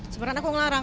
sebenernya aku ngelarang